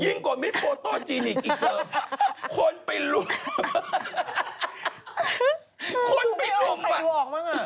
ยิ่งกว่ามีฟอโต๊ะจีนีคอีกเดิม